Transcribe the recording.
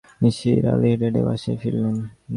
নিসার আলি হেঁটে-হেঁটে বাসায় ফিরলেন।